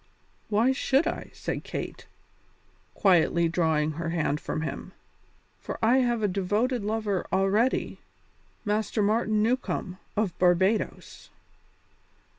"Why should I?" said Kate, quietly drawing her hand from him, "for I have a devoted lover already Master Martin Newcombe, of Barbadoes."